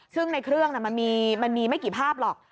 ซึ่งในเครื่องมันมีไม่กี่ภาพหรอก